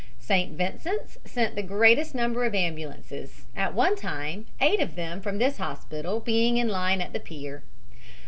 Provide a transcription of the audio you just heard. St. Vincent's sent the greatest number of ambulances, at one time, eight of them from this hospital being in line at the pier.